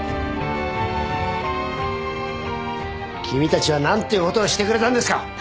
君たちは何てことをしてくれたんですか！